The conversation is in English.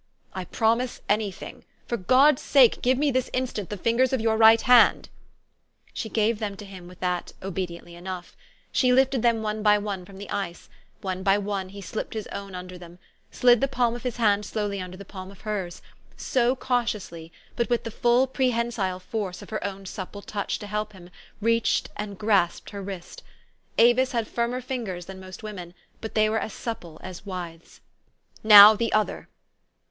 " I promise any thing. For God's sake, give me, this instant, the fingers of your right hand !" She gave them to him with that, obediently enough. She lifted them one by one from the ice ; one by one he slipped his own under them, slid the palm of his hand slowly under the palm of hers ; so cautiously, but with the full prehensile force of her own supple touch to help him, reached and grasped her wrist. Avis had firmer fingers than most women ; but they were as supple as withes. "Now, the other!"